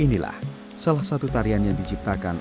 inilah salah satu tarian yang diciptakan